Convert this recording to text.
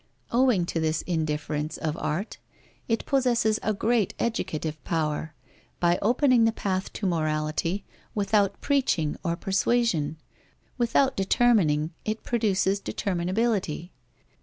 Owing to this indifference of art, it possesses a great educative power, by opening the path to morality without preaching or persuasion; without determining, it produces determinability.